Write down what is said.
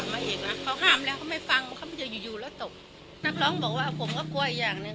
ไม่ได้ป่ะก็ไม่ควรมาเล่นกับองค์เราใช่ไหม